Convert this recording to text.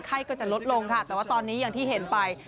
ก็จะลดลงค่ะแต่ว่าตอนนี้อย่างที่เห็นไป